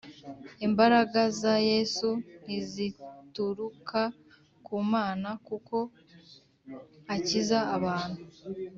imbaraga za Yesu ntizituruka ku Mana kuko akiza abantu